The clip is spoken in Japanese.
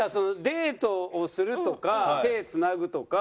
デートをするとか手つなぐとか。